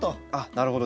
なるほど。